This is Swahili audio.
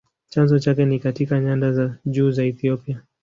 Chanzo chake ni katika nyanda za juu za Ethiopia.